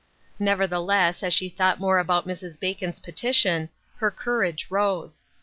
128 "w. C. T. u." Nevertheless, as she thought more about Mrs. Bacon's petition, her courage rose.